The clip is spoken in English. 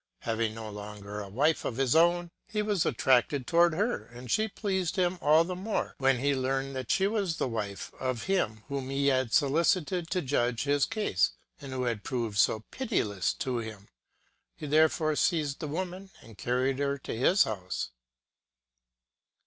Having no longer a wife of his own, he was attracted toward her ; and she pleased him all the more when he learned that she was the wife of him whom he had solicited to judge his case, and who had proved so pitiless to him. He therefore seized the woman and carried her to his house.